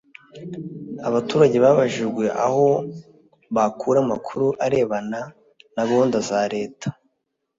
abaturage babajijwe aho bakura amakuru arebana na gahunda za leta